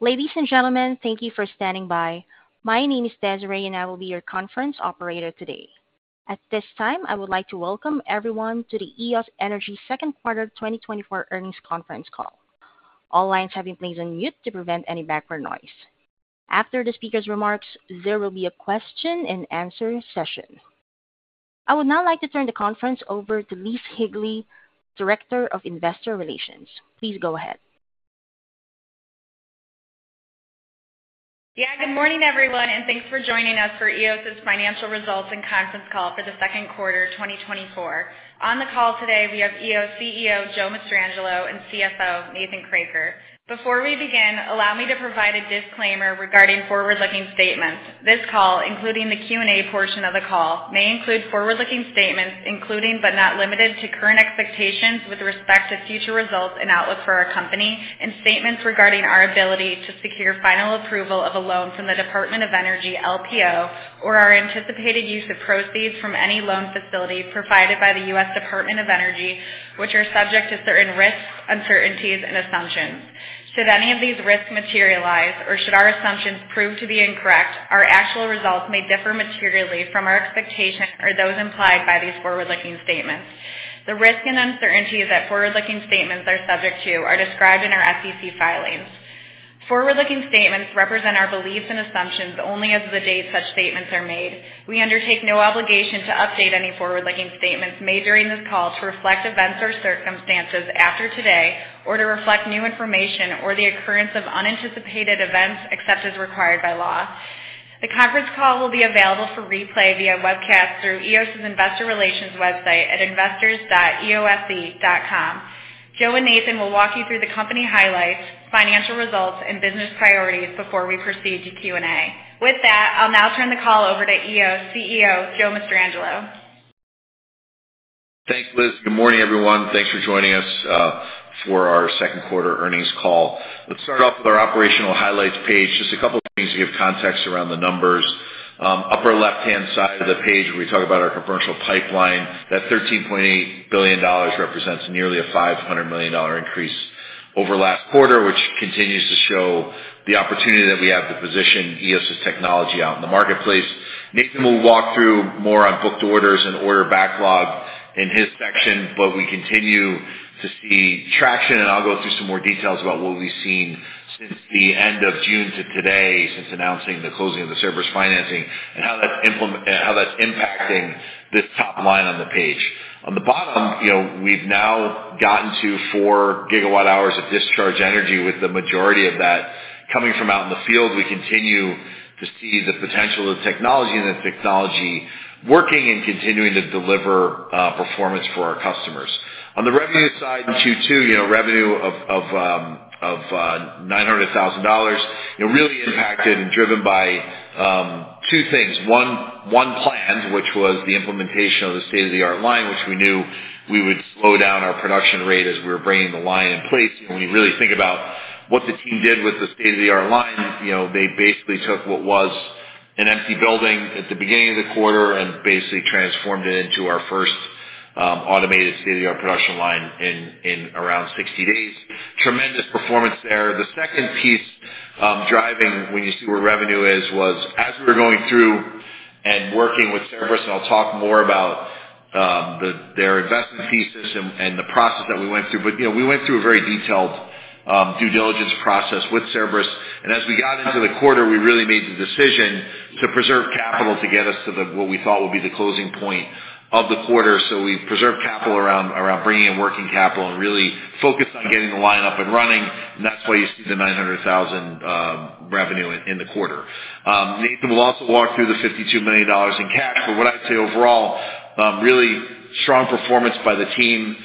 Ladies and gentlemen, thank you for standing by. My name is Desiree, and I will be your conference operator today. At this time, I would like to welcome everyone to the Eos Energy second quarter 2024 earnings conference call. All lines have been placed on mute to prevent any background noise. After the speaker's remarks, there will be a question-and-answer session. I would now like to turn the conference over to Liz Higley, Director of Investor Relations. Please go ahead. Yeah, good morning, everyone, and thanks for joining us for Eos's financial results and conference call for the second quarter 2024. On the call today, we have Eos CEO, Joe Mastrangelo, and CFO, Nathan Kroeker. Before we begin, allow me to provide a disclaimer regarding forward-looking statements. This call, including the Q&A portion of the call, may include forward-looking statements, including but not limited to current expectations with respect to future results and outlook for our company, and statements regarding our ability to secure final approval of a loan from the Department of Energy LPO, or our anticipated use of proceeds from any loan facility provided by the U.S. Department of Energy, which are subject to certain risks, uncertainties and assumptions. Should any of these risks materialize or should our assumptions prove to be incorrect, our actual results may differ materially from our expectations or those implied by these forward-looking statements. The risk and uncertainty that forward-looking statements are subject to are described in our SEC filings. Forward-looking statements represent our beliefs and assumptions only as of the date such statements are made. We undertake no obligation to update any forward-looking statements made during this call to reflect events or circumstances after today, or to reflect new information or the occurrence of unanticipated events, except as required by law. The conference call will be available for replay via webcast through Eos's Investor Relations website at investors.eose.com. Joe and Nathan will walk you through the company highlights, financial results and business priorities before we proceed to Q&A. With that, I'll now turn the call over to Eos CEO, Joe Mastrangelo. Thanks, Liz. Good morning, everyone. Thanks for joining us for our second quarter earnings call. Let's start off with our operational highlights page. Just a couple of things to give context around the numbers. Upper left-hand side of the page, we talk about our commercial pipeline. That $13.8 billion represents nearly a $500 million increase over last quarter, which continues to show the opportunity that we have to position Eos's technology out in the marketplace. Nathan will walk through more on booked orders and order backlog in his section, but we continue to see traction, and I'll go through some more details about what we've seen since the end of June to today, since announcing the closing of the Cerberus financing and how that's impacting this top line on the page. On the bottom, you know, we've now gotten to 4 GWh of discharge energy, with the majority of that coming from out in the field. We continue to see the potential of the technology and the technology working and continuing to deliver performance for our customers. On the revenue side, in Q2, you know, revenue of $900,000, you know, really impacted and driven by two things. One, planned, which was the implementation of the state-of-the-art line, which we knew we would slow down our production rate as we were bringing the line in place. When you really think about what the team did with the state-of-the-art line, you know, they basically took what was an empty building at the beginning of the quarter and basically transformed it into our first automated state-of-the-art production line in around 60 days. Tremendous performance there. The second piece, driving when you see where revenue is, was as we were going through and working with Cerberus, and I'll talk more about their investment thesis and the process that we went through. But, you know, we went through a very detailed due diligence process with Cerberus, and as we got into the quarter, we really made the decision to preserve capital to get us to the what we thought would be the closing point of the quarter. So we preserved capital around bringing in working capital and really focused on getting the line up and running, and that's why you see the 900,000 revenue in the quarter. Nathan will also walk through the $52 million in cash. But what I'd say overall, really strong performance by the team.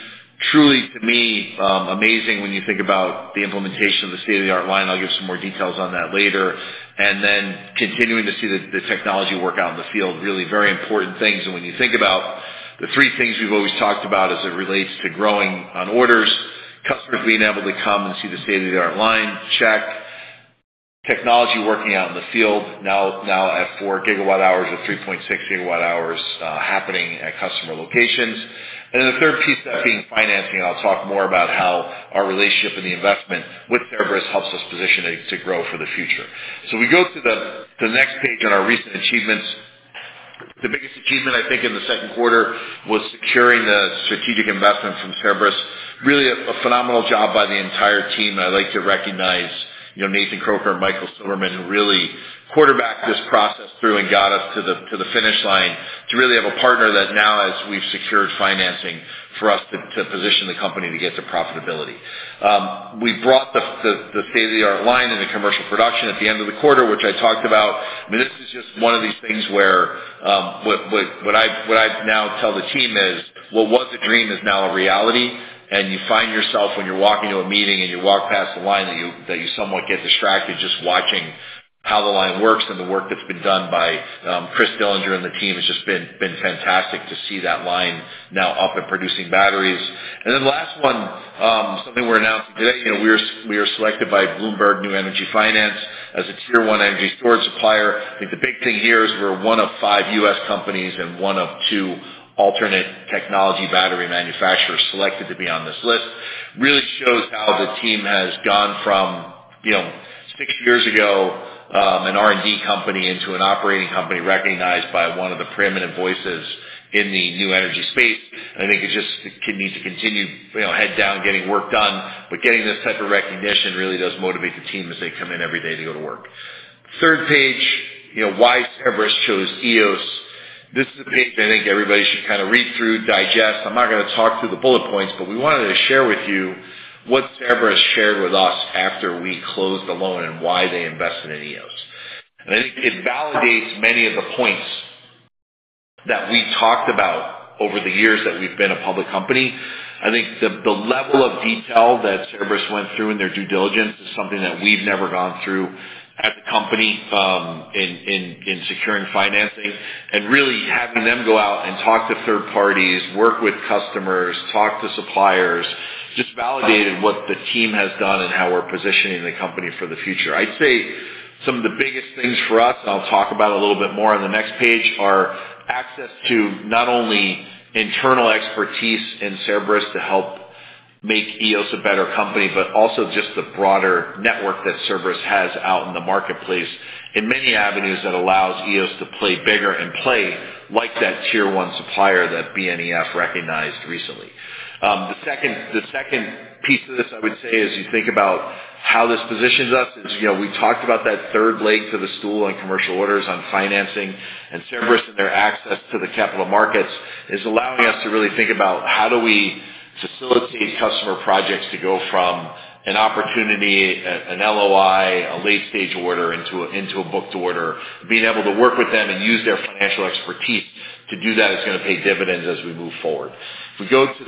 Truly, to me, amazing when you think about the implementation of the state-of-the-art line. I'll give some more details on that later. And then continuing to see the technology work out in the field, really very important things. And when you think about the three things we've always talked about as it relates to growing on orders, customers being able to come and see the state-of-the-art line, check. Technology working out in the field, now, now at 4 GWh or 3.6 GWh, happening at customer locations. And then the third piece, that being financing. I'll talk more about how our relationship and the investment with Cerberus helps us position it to grow for the future. So we go to the next page on our recent achievements. The biggest achievement, I think, in the second quarter was securing the strategic investment from Cerberus. Really a phenomenal job by the entire team, and I'd like to recognize, you know, Nathan Kroeker and Michael Silverman, who really quarterbacked this process through and got us to the finish line, to really have a partner that now, as we've secured financing, for us to position the company to get to profitability. We brought the state-of-the-art line into commercial production at the end of the quarter, which I talked about. I mean, this is just one of these things where what I now tell the team is, well, what was a dream is now a reality, and you find yourself when you're walking to a meeting and you walk past the line, that you somewhat get distracted just watching how the line works and the work that's been done by Chris Dillinger and the team has just been fantastic to see that line now up and producing batteries. And then the last one, something we're announcing today, you know, we are selected by Bloomberg New Energy Finance as a tier one energy storage supplier. I think the big thing here is we're one of five U.S. companies and one of two alternate technology battery manufacturers selected to be on this list. Really shows how the team has gone from, you know, six years ago, an R&D company into an operating company recognized by one of the preeminent voices in the new energy space. I think it just can need to continue, you know, head down, getting work done. But getting this type of recognition really does motivate the team as they come in every day to go to work. Third page, you know, why Cerberus chose Eos. This is a page I think everybody should kind of read through, digest. I'm not gonna talk through the bullet points, but we wanted to share with you what Cerberus shared with us after we closed the loan and why they invested in Eos. I think it validates many of the points that we talked about over the years that we've been a public company. I think the level of detail that Cerberus went through in their due diligence is something that we've never gone through at the company, in securing financing. Really, having them go out and talk to third parties, work with customers, talk to suppliers, just validated what the team has done and how we're positioning the company for the future. I'd say some of the biggest things for us, and I'll talk about a little bit more on the next page, are access to not only internal expertise in Cerberus to help make Eos a better company, but also just the broader network that Cerberus has out in the marketplace, in many avenues that allows Eos to play bigger and play like that tier one supplier that BNEF recognized recently. The second piece of this, I would say, as you think about how this positions us, is, you know, we talked about that third leg to the stool on commercial orders, on financing, and Cerberus and their access to the capital markets is allowing us to really think about how do we facilitate customer projects to go from an opportunity, an LOI, a late-stage order into a booked order. Being able to work with them and use their financial expertise to do that is gonna pay dividends as we move forward. If we go to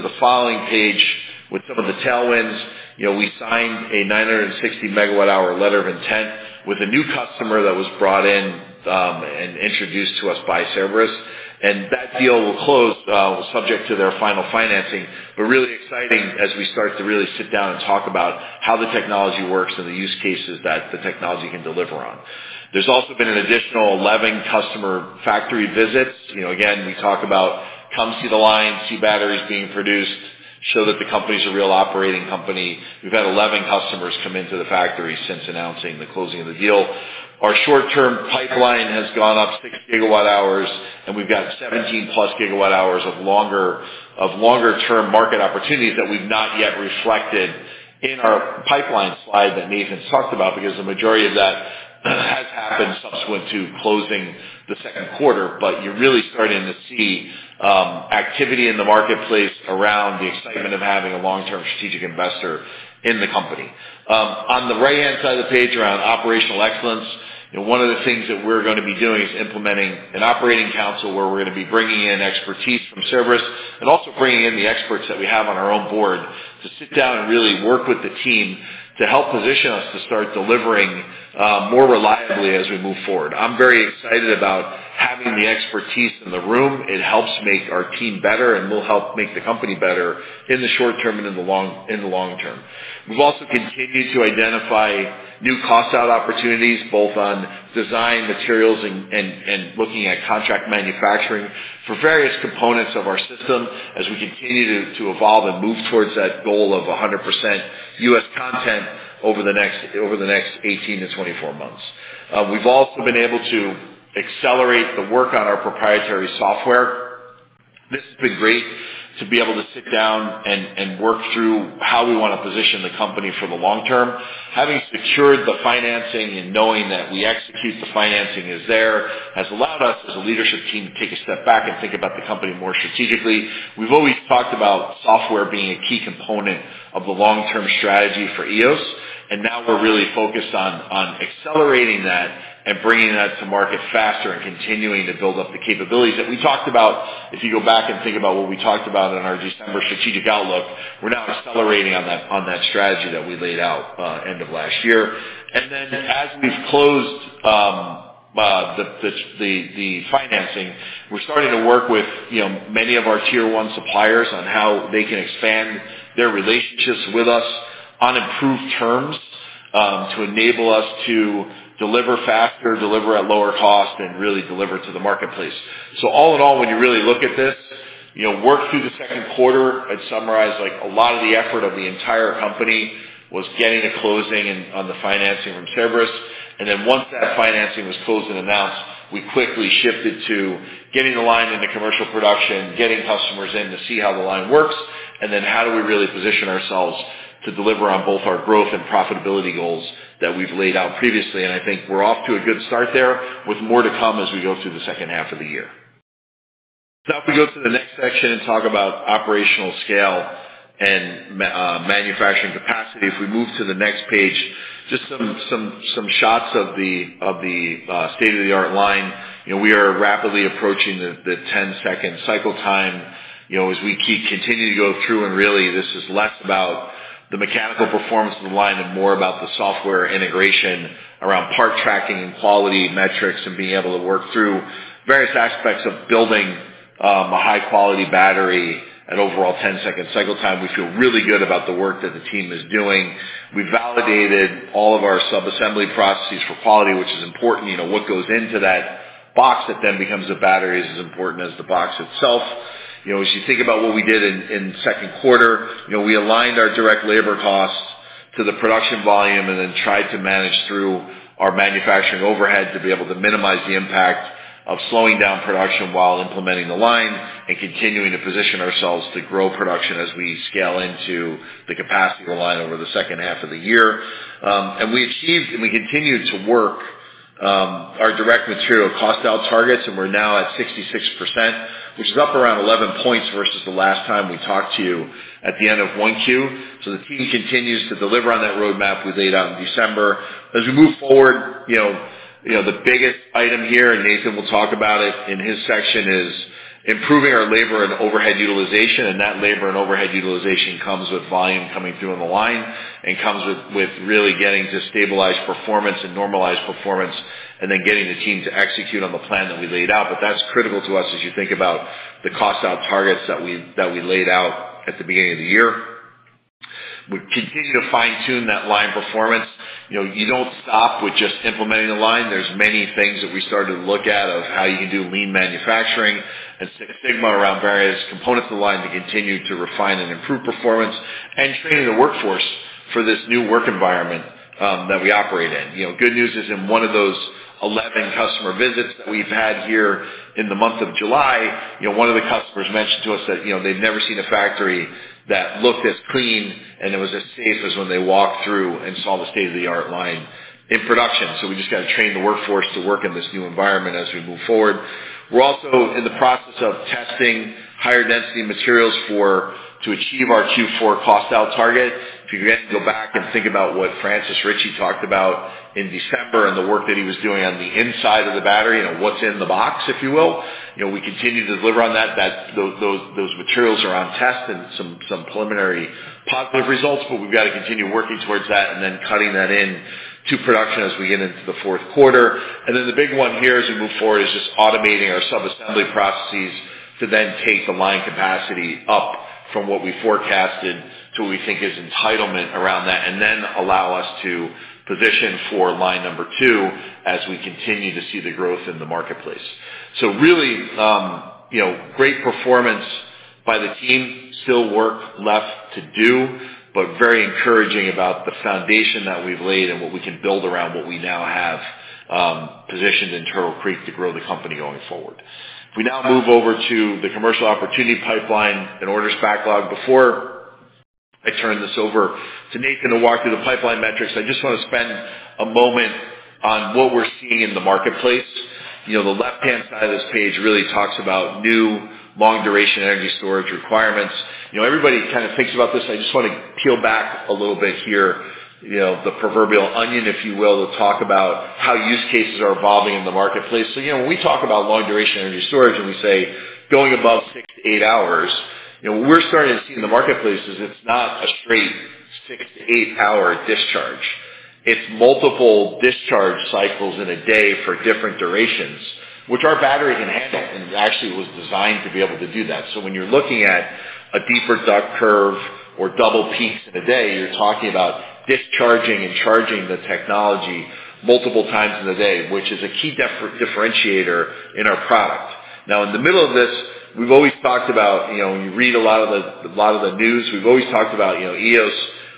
the following page with some of the tailwinds, you know, we signed a 960 MWh letter of intent with a new customer that was brought in, and introduced to us by Cerberus, and that deal will close, subject to their final financing. But really exciting as we start to really sit down and talk about how the technology works and the use cases that the technology can deliver on. There's also been an additional 11 customer factory visits. You know, again, we talk about, come see the line, see batteries being produced, show that the company's a real operating company. We've had 11 customers come into the factory since announcing the closing of the deal. Our short-term pipeline has gone up 6 GWh, and we've got 17+ GWh of longer-term market opportunities that we've not yet reflected in our pipeline slide that Nathan's talked about, because the majority of that has happened subsequent to closing the second quarter. But you're really starting to see activity in the marketplace around the excitement of having a long-term strategic investor in the company. On the right-hand side of the page, around operational excellence, and one of the things that we're gonna be doing is implementing an operating council, where we're gonna be bringing in expertise from Cerberus and also bringing in the experts that we have on our own board, to sit down and really work with the team to help position us to start delivering more reliably as we move forward. I'm very excited about having the expertise in the room. It helps make our team better and will help make the company better in the short term and in the long term. We've also continued to identify new cost-out opportunities, both on design materials and looking at contract manufacturing for various components of our system as we continue to evolve and move towards that goal of 100% U.S. content over the next 18-24 months. We've also been able to accelerate the work on our proprietary software. This has been great to be able to sit down and work through how we wanna position the company for the long term. Having secured the financing and knowing that we execute the financing is there, has allowed us, as a leadership team, to take a step back and think about the company more strategically. We've always talked about software being a key component of the long-term strategy for Eos, and now we're really focused on accelerating that and bringing that to market faster and continuing to build up the capabilities that we talked about, if you go back and think about what we talked about in our December strategic outlook, we're now accelerating on that strategy that we laid out end of last year. And then as we've closed the financing, we're starting to work with, you know, many of our tier one suppliers on how they can expand their relationships with us on improved terms to enable us to deliver faster, deliver at lower cost, and really deliver to the marketplace. So all in all, when you really look at this, you know, work through the second quarter, I'd summarize, like, a lot of the effort of the entire company was getting to closing and on the financing from Cerberus. And then once that financing was closed and announced, we quickly shifted to getting the line into commercial production, getting customers in to see how the line works, and then how do we really position ourselves to deliver on both our growth and profitability goals that we've laid out previously. I think we're off to a good start there, with more to come as we go through the second half of the year. Now, if we go to the next section and talk about operational scale and manufacturing capacity. If we move to the next page, just some shots of the state-of-the-art line. You know, we are rapidly approaching the 10-second cycle time, you know, as we continue to go through, and really, this is less about the mechanical performance of the line and more about the software integration around part tracking and quality metrics and being able to work through various aspects of building a high-quality battery at overall 10-second cycle time. We feel really good about the work that the team is doing. We validated all of our sub-assembly processes for quality, which is important. You know, what goes into that box that then becomes a battery is as important as the box itself. You know, as you think about what we did in second quarter, you know, we aligned our direct labor costs to the production volume and then tried to manage through our manufacturing overhead to be able to minimize the impact of slowing down production while implementing the line and continuing to position ourselves to grow production as we scale into the capacity of the line over the second half of the year. And we achieved, and we continued to work our direct material cost out targets, and we're now at 66%, which is up around 11 points versus the last time we talked to you at the end of 1Q. So the team continues to deliver on that roadmap we laid out in December. As we move forward, you know, you know, the biggest item here, and Nathan will talk about it in his section, is improving our labor and overhead utilization, and that labor and overhead utilization comes with volume coming through on the line, and comes with really getting to stabilize performance and normalize performance, and then getting the team to execute on the plan that we laid out. But that's critical to us as you think about the cost out targets that we laid out at the beginning of the year. We continue to fine-tune that line performance. You know, you don't stop with just implementing the line. There's many things that we started to look at of how you can do lean manufacturing and Six Sigma around various components of the line to continue to refine and improve performance, and training the workforce for this new work environment, that we operate in. You know, good news is, in one of those 11 customer visits that we've had here in the month of July, you know, one of the customers mentioned to us that, you know, they'd never seen a factory that looked as clean and it was as safe as when they walked through and saw the state-of-the-art line in production. So we just got to train the workforce to work in this new environment as we move forward. We're also in the process of testing higher density materials for to achieve our Q4 cost out target. If you go back and think about what Francis Richey talked about in December and the work that he was doing on the inside of the battery, and what's in the box, if you will, you know, we continue to deliver on that. Those materials are on test and some preliminary positive results, but we've got to continue working towards that and then cutting that in to production as we get into the fourth quarter. Then the big one here, as we move forward, is just automating our sub-assembly processes to then take the line capacity up from what we forecasted to what we think is entitlement around that, and then allow us to position for line number two as we continue to see the growth in the marketplace. So really, you know, great performance by the team. Still work left to do, but very encouraging about the foundation that we've laid and what we can build around what we now have positioned in Turtle Creek to grow the company going forward. If we now move over to the commercial opportunity pipeline and orders backlog. Before I turn this over to Nathan to walk through the pipeline metrics, I just want to spend a moment on what we're seeing in the marketplace. You know, the left-hand side of this page really talks about new long-duration energy storage requirements. You know, everybody kind of thinks about this. I just want to peel back a little bit here, you know, the proverbial onion, if you will, to talk about how use cases are evolving in the marketplace. So, you know, when we talk about long-duration energy storage, and we say going above 6-8 hours, you know, what we're starting to see in the marketplace is it's not a straight 6-8-hour discharge. It's multiple discharge cycles in a day for different durations, which our battery can handle, and actually was designed to be able to do that. So when you're looking at a deeper Duck curve or double peaks in a day, you're talking about discharging and charging the technology multiple times in a day, which is a key differentiator in our product. Now, in the middle of this, we've always talked about, you know, when you read a lot of the news, we've always talked about, you know, Eos,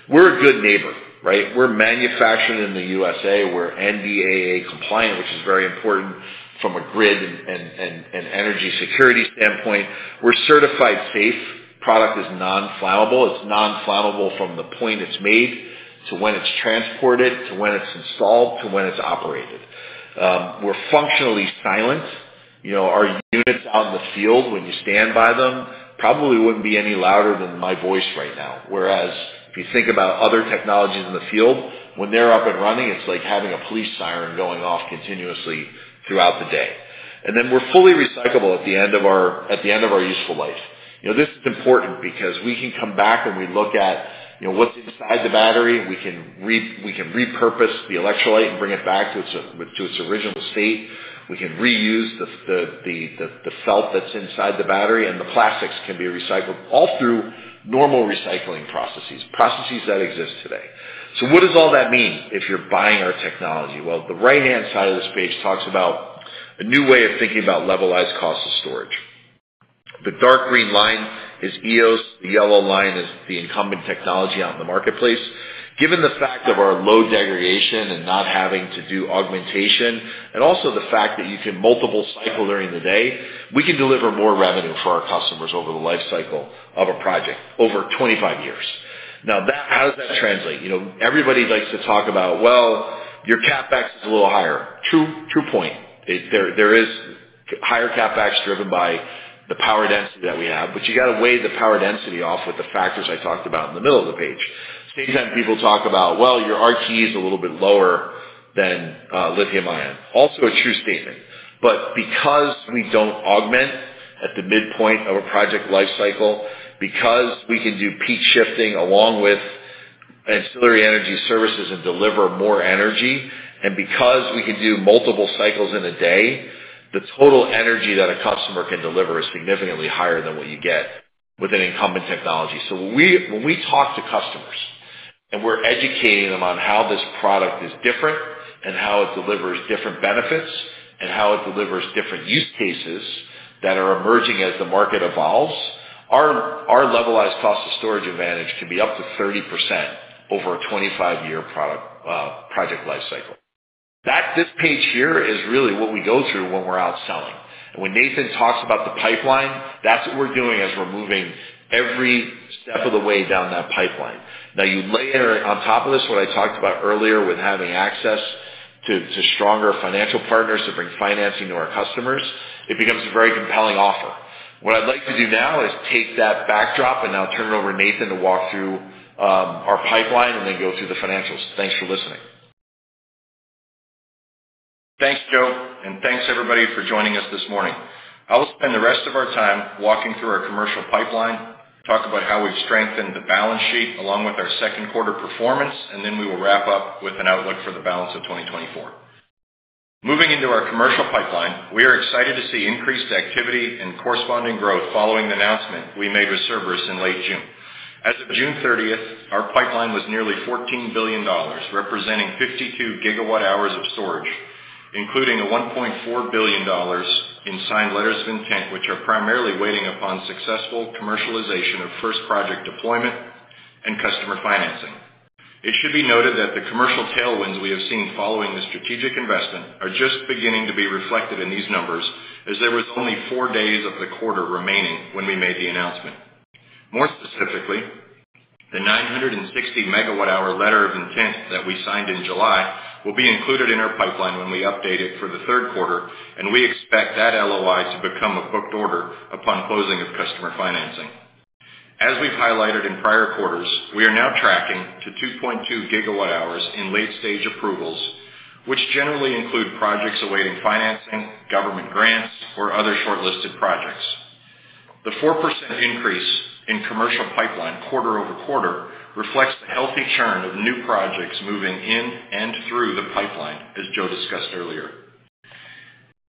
we're a good neighbor, right? We're manufactured in the USA, we're NDAA compliant, which is very important from a grid and energy security standpoint. We're certified safe. Product is non-flammable. It's non-flammable from the point it's made, to when it's transported, to when it's installed, to when it's operated. We're functionally silent. You know, our units out in the field, when you stand by them, probably wouldn't be any louder than my voice right now. Whereas if you think about other technologies in the field, when they're up and running, it's like having a police siren going off continuously throughout the day. And then we're fully recyclable at the end of our useful life. You know, this is important because we can come back and we look at, you know, what's inside the battery, and we can repurpose the electrolyte and bring it back to its original state. We can reuse the felt that's inside the battery, and the plastics can be recycled all through normal recycling processes that exist today. So what does all that mean if you're buying our technology? Well, the right-hand side of this page talks about a new way of thinking about levelized cost of storage. The dark green line is Eos, the yellow line is the incumbent technology out in the marketplace. Given the fact of our low degradation and not having to do augmentation, and also the fact that you can multiple cycle during the day, we can deliver more revenue for our customers over the life cycle of a project over 25 years. Now, that. How does that translate? You know, everybody likes to talk about, well, your CapEx is a little higher. True, true point. It. There is higher CapEx driven by the power density that we have, but you got to weigh the power density off with the factors I talked about in the middle of the page. Sometimes people talk about, "Well, your RT is a little bit lower than lithium-ion." Also a true statement, but because we don't augment at the midpoint of a project life cycle, because we can do peak shifting along with ancillary energy services and deliver more energy, and because we can do multiple cycles in a day, the total energy that a customer can deliver is significantly higher than what you get with an incumbent technology. So when we talk to customers and we're educating them on how this product is different, and how it delivers different benefits, and how it delivers different use cases that are emerging as the market evolves, our levelized cost of storage advantage can be up to 30% over a 25-year product project life cycle. That this page here is really what we go through when we're out selling. When Nathan talks about the pipeline, that's what we're doing as we're moving every step of the way down that pipeline. Now, you layer on top of this, what I talked about earlier, with having access to stronger financial partners to bring financing to our customers, it becomes a very compelling offer. What I'd like to do now is take that backdrop, and I'll turn it over to Nathan to walk through our pipeline and then go through the financials. Thanks for listening. Thanks, Joe, and thanks everybody for joining us this morning. I will spend the rest of our time walking through our commercial pipeline, talk about how we've strengthened the balance sheet, along with our second quarter performance, and then we will wrap up with an outlook for the balance of 2024. Moving into our commercial pipeline, we are excited to see increased activity and corresponding growth following the announcement we made with Cerberus in late June. As of June 30th, our pipeline was nearly $14 billion, representing 52 GWh of storage, including a $1.4 billion in signed letters of intent, which are primarily waiting upon successful commercialization of first project deployment and customer financing. It should be noted that the commercial tailwinds we have seen following the strategic investment are just beginning to be reflected in these numbers, as there was only 4 days of the quarter remaining when we made the announcement. More specifically, the 960 MWh letter of intent that we signed in July will be included in our pipeline when we update it for the third quarter, and we expect that LOI to become a booked order upon closing of customer financing. As we've highlighted in prior quarters, we are now tracking to 2.2 GWh in late-stage approvals, which generally include projects awaiting financing, government grants, or other shortlisted projects. The 4% increase in commercial pipeline quarter-over-quarter reflects the healthy churn of new projects moving in and through the pipeline, as Joe discussed earlier.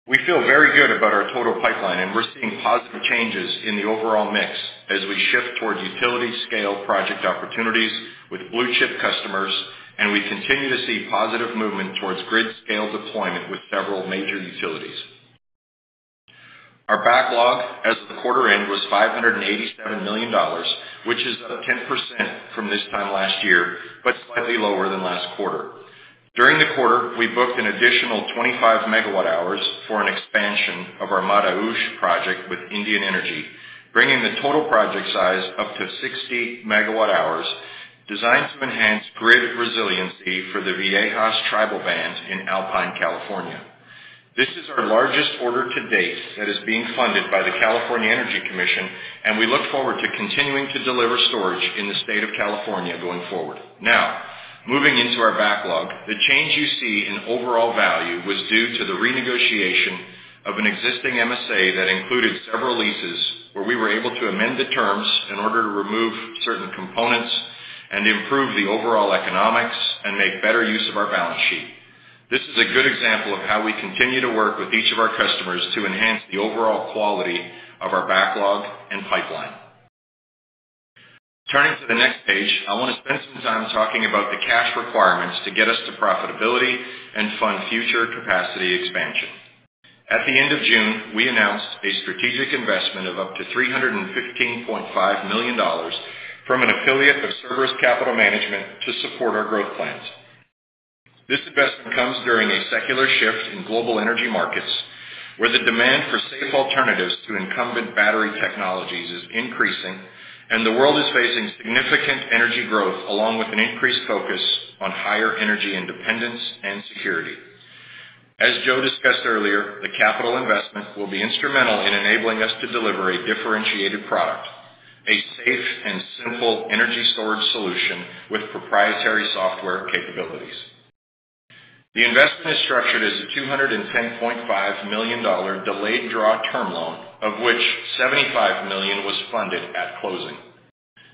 We feel very good about our total pipeline, and we're seeing positive changes in the overall mix as we shift towards utility scale project opportunities with blue chip customers, and we continue to see positive movement towards grid scale deployment with several major utilities. Our backlog as of the quarter end, was $587 million, which is up 10% from this time last year, but slightly lower than last quarter. During the quarter, we booked an additional 25 MWh for an expansion of our Mataji project with Indian Energy, bringing the total project size up to 60 MWh, designed to enhance grid resiliency for the Viejas tribal band in Alpine, California. This is our largest order to date that is being funded by the California Energy Commission, and we look forward to continuing to deliver storage in the state of California going forward. Now, moving into our backlog, the change you see in overall value was due to the renegotiation of an existing MSA that included several leases, where we were able to amend the terms in order to remove certain components and improve the overall economics and make better use of our balance sheet. This is a good example of how we continue to work with each of our customers to enhance the overall quality of our backlog and pipeline. Turning to the next page, I want to spend some time talking about the cash requirements to get us to profitability and fund future capacity expansion. At the end of June, we announced a strategic investment of up to $315.5 million from an affiliate of Cerberus Capital Management to support our growth plans. This investment comes during a secular shift in global energy markets, where the demand for safe alternatives to incumbent battery technologies is increasing, and the world is facing significant energy growth, along with an increased focus on higher energy independence and security. As Joe discussed earlier, the capital investment will be instrumental in enabling us to deliver a differentiated product, a safe and simple energy storage solution with proprietary software capabilities. The investment is structured as a $210.5 million delayed draw term loan, of which $75 million was funded at closing.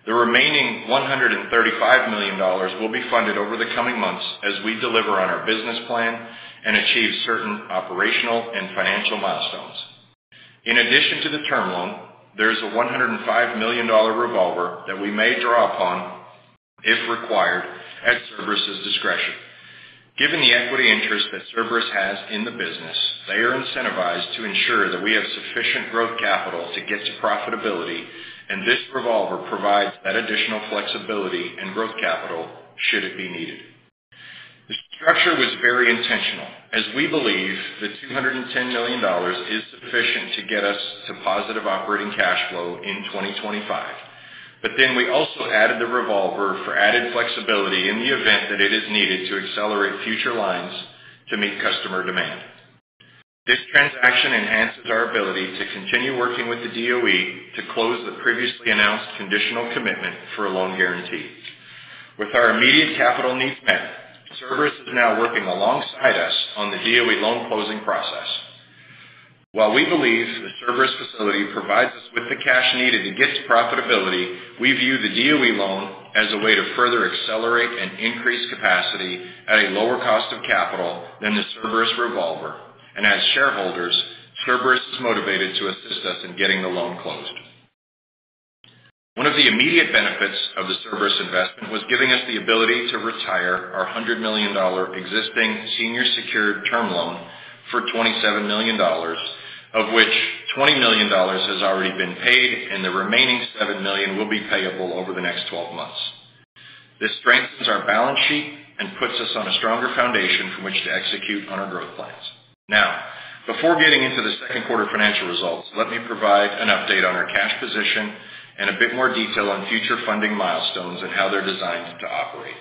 The remaining $135 million will be funded over the coming months as we deliver on our business plan and achieve certain operational and financial milestones. In addition to the term loan, there is a $105 million revolver that we may draw upon, if required, at Cerberus's discretion. Given the equity interest that Cerberus has in the business, they are incentivized to ensure that we have sufficient growth capital to get to profitability, and this revolver provides that additional flexibility and growth capital should it be needed. The structure was very intentional, as we believe the $210 million is sufficient to get us to positive operating cash flow in 2025. But then we also added the revolver for added flexibility in the event that it is needed to accelerate future lines to meet customer demand. This transaction enhances our ability to continue working with the DOE to close the previously announced conditional commitment for a loan guarantee. With our immediate capital needs met, Cerberus is now working alongside us on the DOE loan closing process. While we believe the Cerberus facility provides us with the cash needed to get to profitability, we view the DOE loan as a way to further accelerate and increase capacity at a lower cost of capital than the Cerberus revolver. As shareholders, Cerberus is motivated to assist us in getting the loan closed. One of the immediate benefits of the Cerberus investment was giving us the ability to retire our $100 million existing senior secured term loan for $27 million, of which $20 million has already been paid and the remaining $7 million will be payable over the next 12 months. This strengthens our balance sheet and puts us on a stronger foundation from which to execute on our growth plans. Now, before getting into the second quarter financial results, let me provide an update on our cash position and a bit more detail on future funding milestones and how they're designed to operate.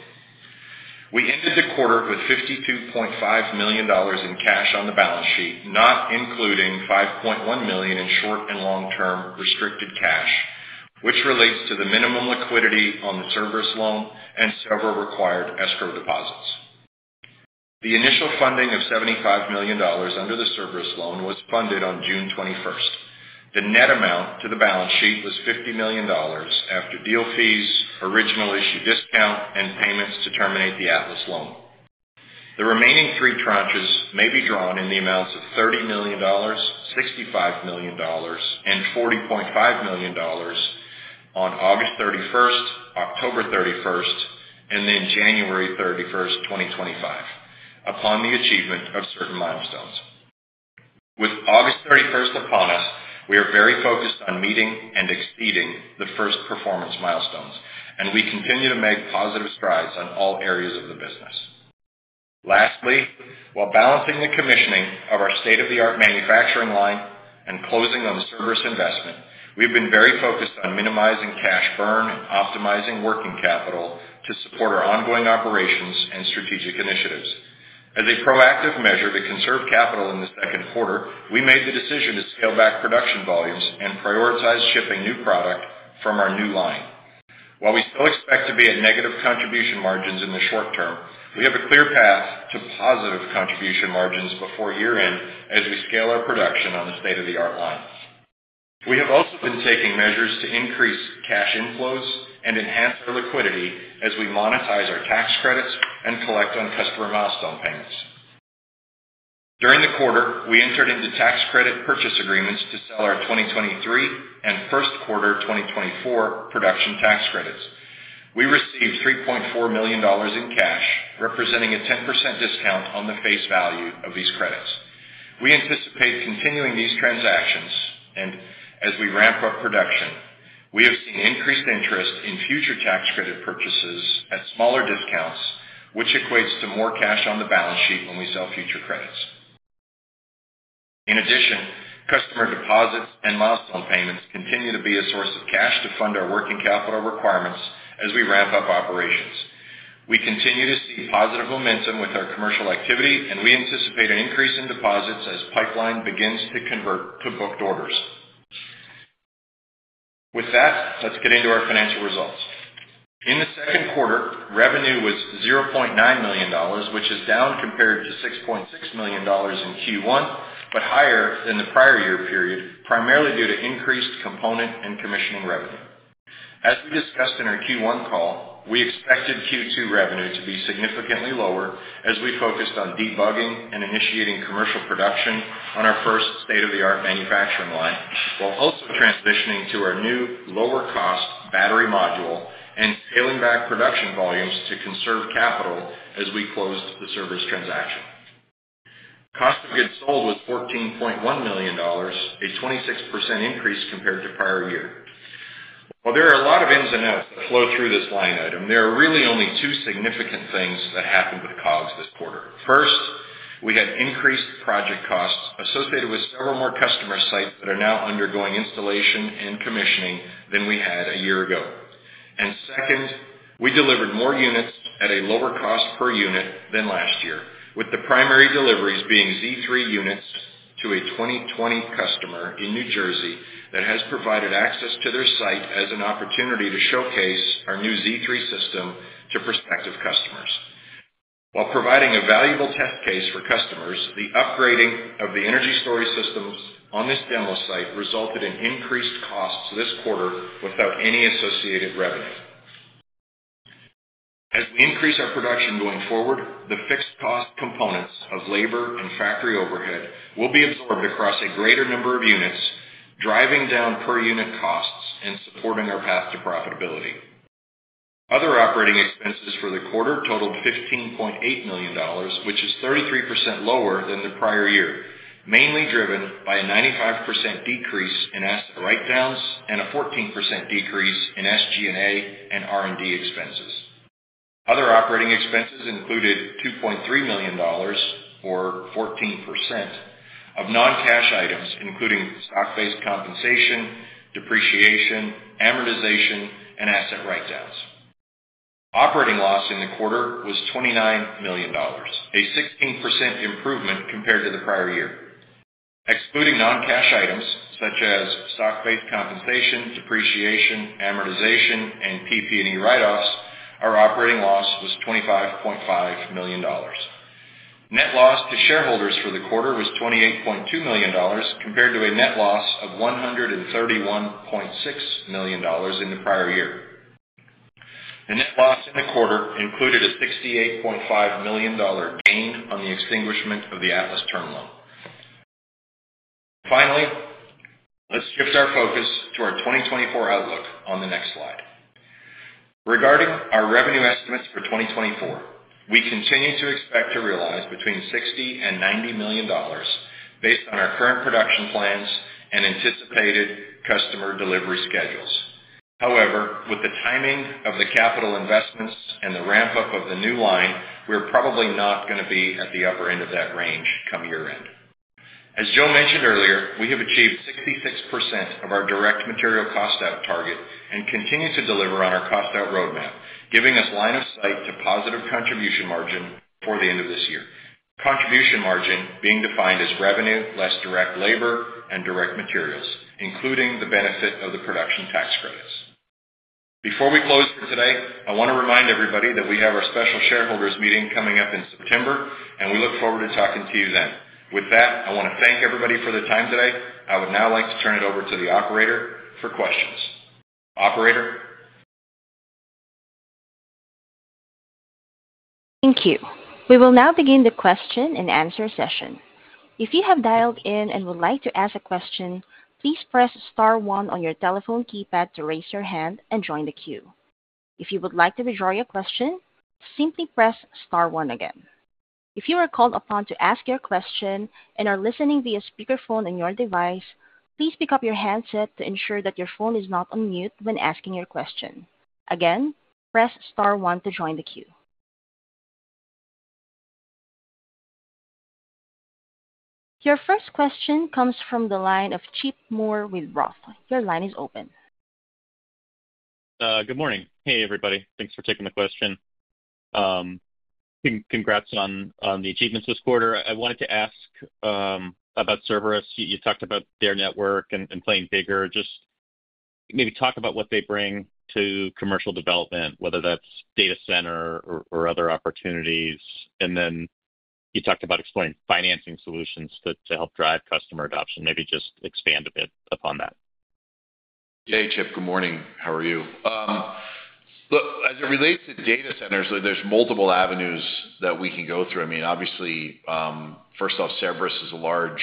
We ended the quarter with $52.5 million in cash on the balance sheet, not including $5.1 million in short and long-term restricted cash, which relates to the minimum liquidity on the Cerberus loan and several required escrow deposits. The initial funding of $75 million under the Cerberus loan was funded on June 21. The net amount to the balance sheet was $50 million after deal fees, original issue discount, and payments to terminate the Atlas loan. The remaining three tranches may be drawn in the amounts of $30 million, $65 million, and $40.5 million on August 31, October 31, and then January 31, 2025, upon the achievement of certain milestones. With August 31 upon us, we are very focused on meeting and exceeding the first performance milestones, and we continue to make positive strides on all areas of the business. Lastly, while balancing the commissioning of our state-of-the-art manufacturing line and closing on the Cerberus investment, we've been very focused on minimizing cash burn and optimizing working capital to support our ongoing operations and strategic initiatives. As a proactive measure to conserve capital in the second quarter, we made the decision to scale back production volumes and prioritize shipping new product from our new line. While we still expect to be at negative contribution margins in the short term, we have a clear path to positive contribution margins before year-end as we scale our production on the state-of-the-art line. We have also been taking measures to increase cash inflows and enhance our liquidity as we monetize our tax credits and collect on customer milestone payments. During the quarter, we entered into tax credit purchase agreements to sell our 2023 and first quarter 2024 production tax credits. We received $3.4 million in cash, representing a 10% discount on the face value of these credits. We anticipate continuing these transactions, and as we ramp up production, we have seen increased interest in future tax credit purchases at smaller discounts, which equates to more cash on the balance sheet when we sell future credits. In addition, customer deposits and milestone payments continue to be a source of cash to fund our working capital requirements as we ramp up operations. We continue to see positive momentum with our commercial activity, and we anticipate an increase in deposits as pipeline begins to convert to booked orders. With that, let's get into our financial results. In the second quarter, revenue was $0.9 million, which is down compared to $6.6 million in Q1, but higher than the prior year period, primarily due to increased component and commissioning revenue. As we discussed in our Q1 call, we expected Q2 revenue to be significantly lower as we focused on debugging and initiating commercial production on our first state-of-the-art manufacturing line, while also transitioning to our new lower-cost battery module and scaling back production volumes to conserve capital as we closed the Cerberus transaction. Cost of goods sold was $14.1 million, a 26% increase compared to prior year. While there are a lot of ins and outs that flow through this line item, there are really only two significant things that happened with COGS this quarter. First, we had increased project costs associated with several more customer sites that are now undergoing installation and commissioning than we had a year ago. And second, we delivered more units at a lower cost per unit than last year, with the primary deliveries being Z3 units to a 2020 customer in New Jersey that has provided access to their site as an opportunity to showcase our new Z3 system to prospective customers. While providing a valuable test case for customers, the upgrading of the energy storage systems on this demo site resulted in increased costs this quarter without any associated revenue. As we increase our production going forward, the fixed cost components of labor and factory overhead will be absorbed across a greater number of units, driving down per unit costs and supporting our path to profitability. Other operating expenses for the quarter totaled $15.8 million, which is 33% lower than the prior year, mainly driven by a 95% decrease in asset write-downs and a 14% decrease in SG&A and R&D expenses. Other operating expenses included $2.3 million, or 14%, of non-cash items, including stock-based compensation, depreciation, amortization, and asset write-downs. Operating loss in the quarter was $29 million, a 16% improvement compared to the prior year. Excluding non-cash items such as stock-based compensation, depreciation, amortization, and PP&E write-offs, our operating loss was $25.5 million. ...Net loss to shareholders for the quarter was $28.2 million, compared to a net loss of $131.6 million in the prior year. The net loss in the quarter included a $68.5 million gain on the extinguishment of the Atlas term loan. Finally, let's shift our focus to our 2024 outlook on the next slide. Regarding our revenue estimates for 2024, we continue to expect to realize between $60-$90 million based on our current production plans and anticipated customer delivery schedules. However, with the timing of the capital investments and the ramp-up of the new line, we're probably not gonna be at the upper end of that range come year-end. As Joe mentioned earlier, we have achieved 66% of our direct material cost out target and continue to deliver on our cost out roadmap, giving us line of sight to positive contribution margin before the end of this year. Contribution margin being defined as revenue, less direct labor and direct materials, including the benefit of the production tax credits. Before we close for today, I want to remind everybody that we have our special shareholders meeting coming up in September, and we look forward to talking to you then. With that, I want to thank everybody for their time today. I would now like to turn it over to the operator for questions. Operator? Thank you. We will now begin the question-and-answer session. If you have dialed in and would like to ask a question, please press star one on your telephone keypad to raise your hand and join the queue. If you would like to withdraw your question, simply press star one again. If you are called upon to ask your question and are listening via speakerphone on your device, please pick up your handset to ensure that your phone is not on mute when asking your question. Again, press star one to join the queue. Your first question comes from the line of Chip Moore with ROTH. Your line is open. Good morning. Hey, everybody. Thanks for taking the question. Congrats on the achievements this quarter. I wanted to ask about Cerberus. You talked about their network and playing bigger. Just maybe talk about what they bring to commercial development, whether that's data center or other opportunities. And then you talked about exploring financing solutions to help drive customer adoption. Maybe just expand a bit upon that. Hey, Chip. Good morning. How are you? Look, as it relates to data centers, there's multiple avenues that we can go through. I mean, obviously, first off, Cerberus has a large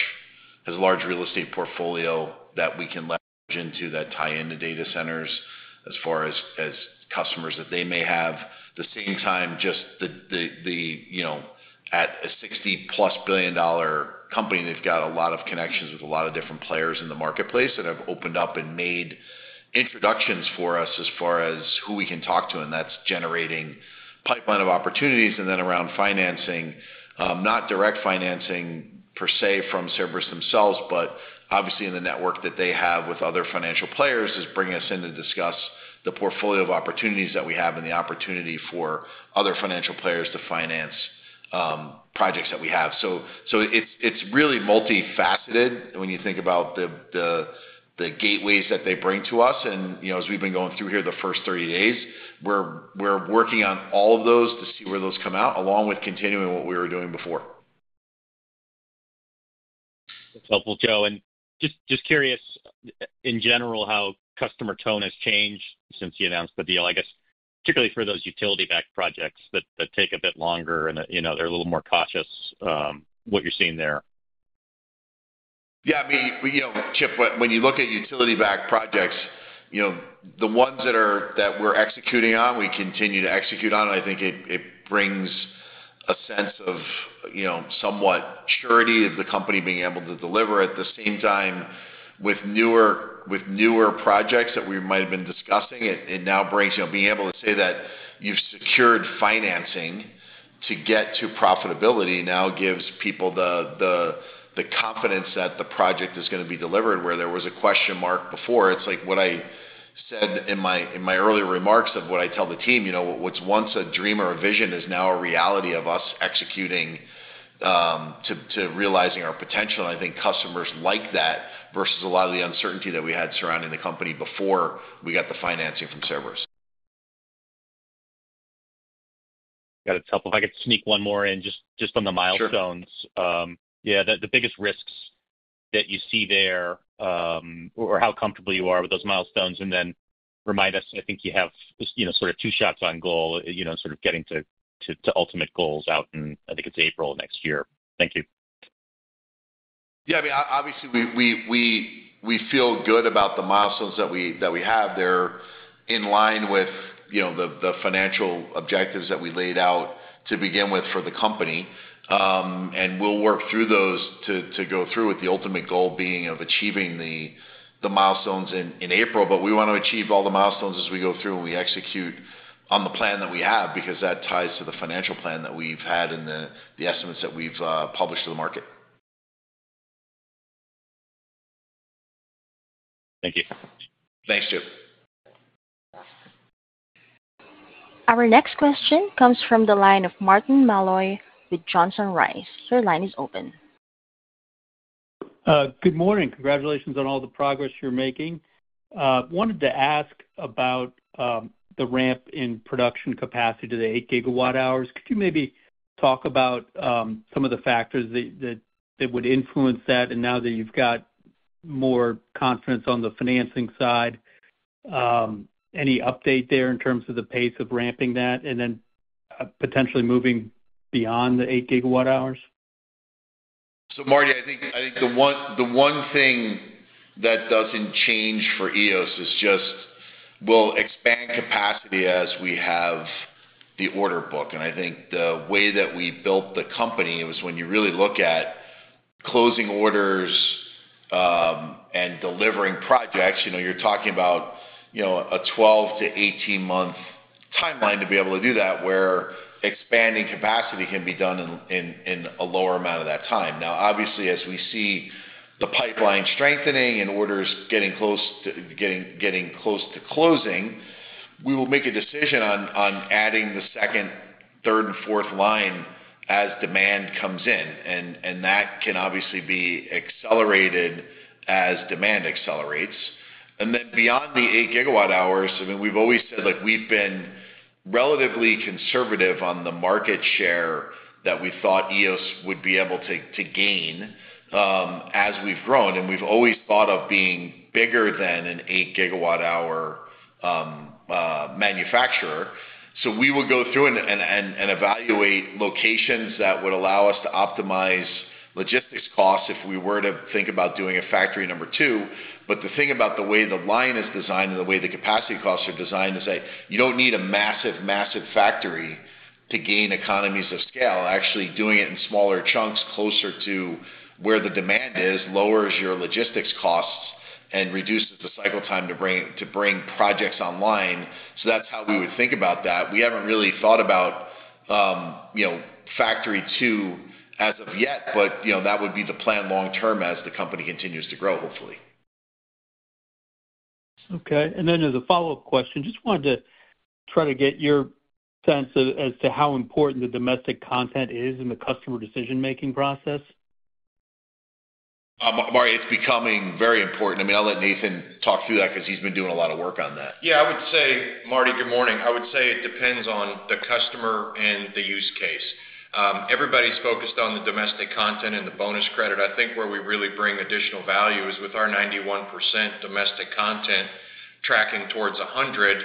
real estate portfolio that we can leverage into that tie into data centers as far as, as customers that they may have. The same time, just the, you know, at a $60+ billion company, they've got a lot of connections with a lot of different players in the marketplace that have opened up and made introductions for us as far as who we can talk to, and that's generating pipeline of opportunities. Then around financing, not direct financing per se from Cerberus themselves, but obviously in the network that they have with other financial players, is bringing us in to discuss the portfolio of opportunities that we have and the opportunity for other financial players to finance projects that we have. So it's really multifaceted when you think about the gateways that they bring to us. And, you know, as we've been going through here the first 30 days, we're working on all of those to see where those come out, along with continuing what we were doing before. That's helpful, Joe. And just curious, in general, how customer tone has changed since you announced the deal, I guess, particularly for those utility-backed projects that take a bit longer and, you know, they're a little more cautious, what you're seeing there? Yeah, I mean, you know, Chip, when you look at utility-backed projects, you know, the ones that are that we're executing on, we continue to execute on, and I think it brings a sense of, you know, somewhat surety of the company being able to deliver. At the same time, with newer projects that we might have been discussing, it now brings, you know, being able to say that you've secured financing to get to profitability now gives people the confidence that the project is gonna be delivered, where there was a question mark before. It's like what I said in my earlier remarks of what I tell the team, you know, what's once a dream or a vision is now a reality of us executing to realizing our potential. I think customers like that versus a lot of the uncertainty that we had surrounding the company before we got the financing from Cerberus. That is helpful. If I could sneak one more in, just, just on the milestones. Sure. Yeah, the biggest risks that you see there, or how comfortable you are with those milestones, and then remind us, I think you have, you know, sort of two shots on goal, you know, sort of getting to ultimate goals out in, I think it's April of next year. Thank you. Yeah, I mean, obviously, we feel good about the milestones that we have. They're in line with, you know, the financial objectives that we laid out to begin with for the company. And we'll work through those to go through with the ultimate goal being of achieving the milestones in April. But we want to achieve all the milestones as we go through and we execute on the plan that we have, because that ties to the financial plan that we've had and the estimates that we've published to the market. Thank you. Thanks, Chip. Our next question comes from the line of Martin Malloy with Johnson Rice. Your line is open. Good morning. Congratulations on all the progress you're making. Wanted to ask about the ramp in production capacity to the 8 GWh. Could you maybe talk about some of the factors that would influence that? And now that you've got more confidence on the financing side, any update there in terms of the pace of ramping that, and then potentially moving beyond the 8 GWh? So, Marty, I think the one thing that doesn't change for EOS is just we'll expand capacity as we have the order book. And I think the way that we built the company was when you really look at closing orders and delivering projects, you know, you're talking about, you know, a 12- to 18-month timeline to be able to do that, where expanding capacity can be done in a lower amount of that time. Now, obviously, as we see the pipeline strengthening and orders getting close to closing, we will make a decision on adding the second, third, and fourth line as demand comes in, and that can obviously be accelerated as demand accelerates. Then beyond the 8 GWh, I mean, we've always said, like, we've been relatively conservative on the market share that we thought Eos would be able to gain as we've grown, and we've always thought of being bigger than an 8 GWh manufacturer. So we would go through and evaluate locations that would allow us to optimize logistics costs if we were to think about doing a factory number two. But the thing about the way the line is designed and the way the capacity costs are designed is that you don't need a massive, massive factory to gain economies of scale. Actually, doing it in smaller chunks, closer to where the demand is, lowers your logistics costs and reduces the cycle time to bring projects online. So that's how we would think about that. We haven't really thought about, you know, factory two as of yet, but, you know, that would be the plan long term as the company continues to grow, hopefully. Okay, and then as a follow-up question, just wanted to try to get your sense of as to how important the domestic content is in the customer decision-making process? Marty, it's becoming very important. I mean, I'll let Nathan talk through that because he's been doing a lot of work on that. Yeah, I would say, Marty, good morning. I would say it depends on the customer and the use case. Everybody's focused on the domestic content and the bonus credit. I think where we really bring additional value is with our 91% domestic content tracking towards 100.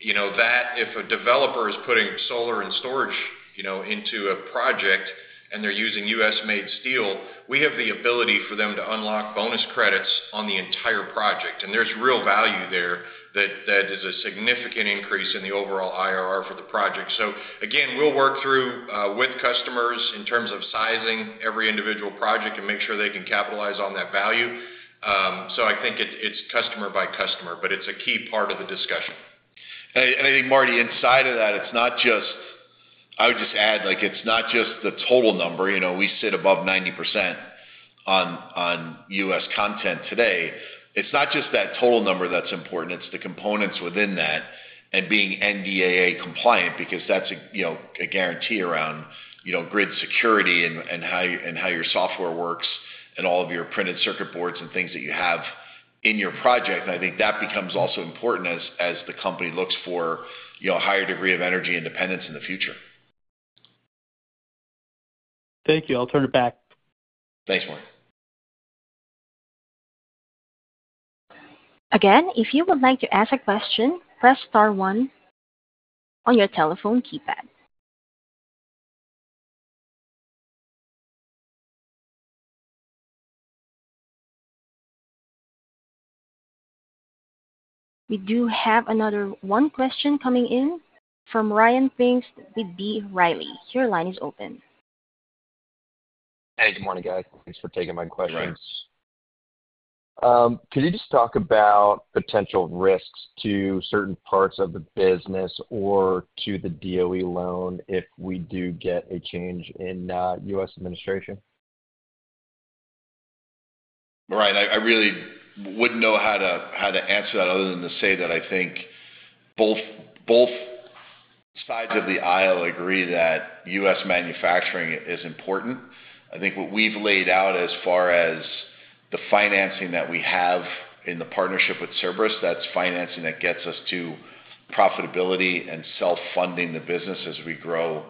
You know that if a developer is putting solar and storage, you know, into a project and they're using US-made steel, we have the ability for them to unlock bonus credits on the entire project, and there's real value there that is a significant increase in the overall IRR for the project. So again, we'll work through with customers in terms of sizing every individual project and make sure they can capitalize on that value. So I think it's customer by customer, but it's a key part of the discussion. And I think, Marty, inside of that, it's not just... I would just add, like, it's not just the total number. You know, we sit above 90% on U.S. content today. It's not just that total number that's important, it's the components within that and being NDAA compliant, because that's a, you know, a guarantee around, you know, grid security and how your software works, and all of your printed circuit boards and things that you have in your project. And I think that becomes also important as the company looks for, you know, a higher degree of energy independence in the future. Thank you. I'll turn it back. Thanks, Marty. Again, if you would like to ask a question, press star one on your telephone keypad. We do have another one question coming in from Ryan Pfingst with B. Riley. Your line is open. Hey, good morning, guys. Thanks for taking my question. Sure. Could you just talk about potential risks to certain parts of the business or to the DOE loan if we do get a change in, U.S. administration? Ryan, I really wouldn't know how to answer that other than to say that I think both sides of the aisle agree that U.S. manufacturing is important. I think what we've laid out as far as the financing that we have in the partnership with Cerberus, that's financing that gets us to profitability and self-funding the business as we grow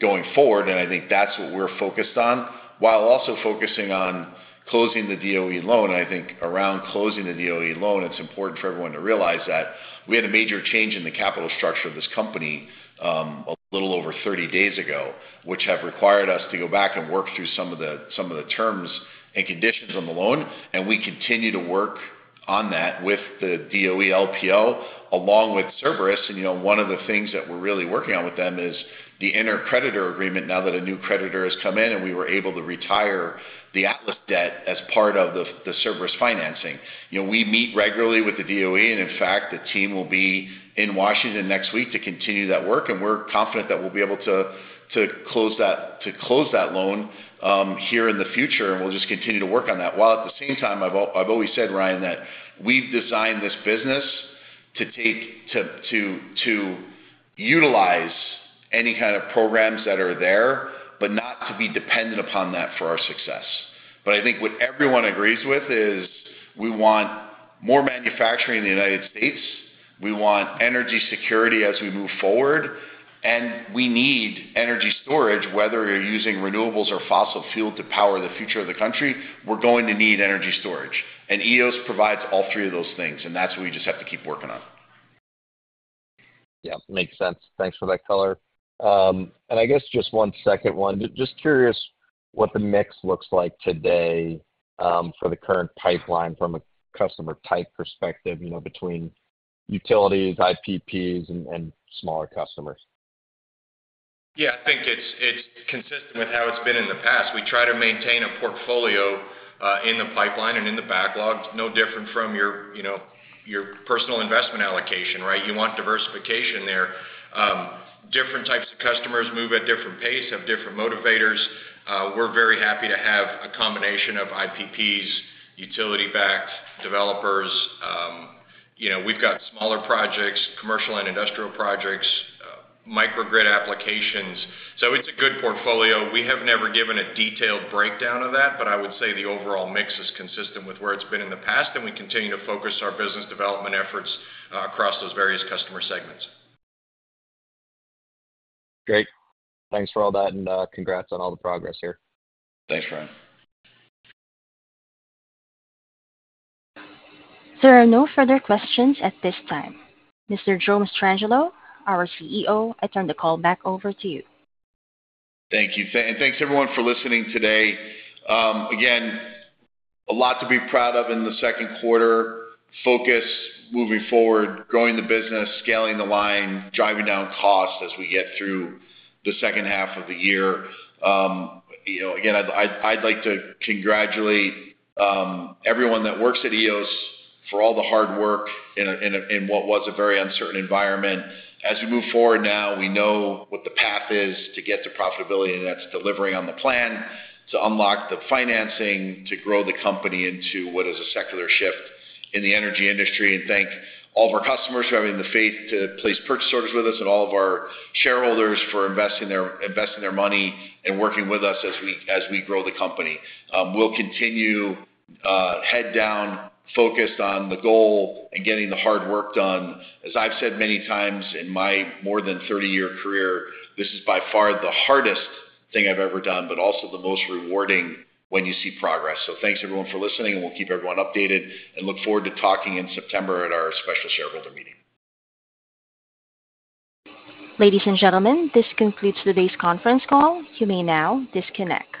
going forward, and I think that's what we're focused on while also focusing on closing the DOE loan. I think around closing the DOE loan, it's important for everyone to realize that we had a major change in the capital structure of this company, a little over 30 days ago, which have required us to go back and work through some of the terms and conditions on the loan, and we continue to work on that with the DOE LPO, along with Cerberus. And, you know, one of the things that we're really working on with them is the intercreditor agreement, now that a new creditor has come in, and we were able to retire the Atlas debt as part of the Cerberus financing. You know, we meet regularly with the DOE, and in fact, the team will be in Washington next week to continue that work, and we're confident that we'll be able to close that loan here in the future, and we'll just continue to work on that. While at the same time, I've always said, Ryan, that we've designed this business to utilize any kind of programs that are there, but not to be dependent upon that for our success. But I think what everyone agrees with is we want more manufacturing in the United States, we want energy security as we move forward, and we need energy storage, whether you're using renewables or fossil fuel to power the future of the country, we're going to need energy storage. Eos provides all three of those things, and that's what we just have to keep working on. Yeah, makes sense. Thanks for that color. And I guess just one second one. Just curious what the mix looks like today, for the current pipeline from a customer type perspective, you know, between utilities, IPPs and smaller customers. Yeah, I think it's, it's consistent with how it's been in the past. We try to maintain a portfolio, in the pipeline and in the backlog, no different from your, you know, your personal investment allocation, right? You want diversification there. Different types of customers move at different pace, have different motivators. We're very happy to have a combination of IPPs, utility-backed developers. You know, we've got smaller projects, commercial and industrial projects, microgrid applications. So it's a good portfolio. We have never given a detailed breakdown of that, but I would say the overall mix is consistent with where it's been in the past, and we continue to focus our business development efforts, across those various customer segments. Great. Thanks for all that, and congrats on all the progress here. Thanks, Ryan. There are no further questions at this time. Mr. Joe Mastrangelo, our CEO, I turn the call back over to you. Thank you. And thanks, everyone, for listening today. Again, a lot to be proud of in the second quarter. Focus moving forward, growing the business, scaling the line, driving down costs as we get through the second half of the year. You know, again, I'd like to congratulate everyone that works at Eos for all the hard work in what was a very uncertain environment. As we move forward now, we know what the path is to get to profitability, and that's delivering on the plan, to unlock the financing, to grow the company into what is a secular shift in the energy industry. And thank all of our customers for having the faith to place purchase orders with us and all of our shareholders for investing their money and working with us as we grow the company. We'll continue, head down, focused on the goal and getting the hard work done. As I've said many times in my more than 30-year career, this is by far the hardest thing I've ever done, but also the most rewarding when you see progress. So thanks, everyone, for listening, and we'll keep everyone updated, and look forward to talking in September at our special shareholder meeting. Ladies and gentlemen, this concludes today's conference call. You may now disconnect.